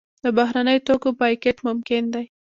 د بهرنیو توکو بایکاټ ممکن دی؟